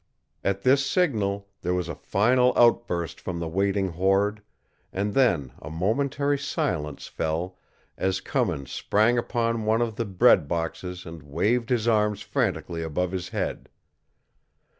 At this signal there was a final outburst from the waiting horde, and then a momentary silence fell as Cummins sprang upon one of the bread boxes and waved his arms frantically above his head.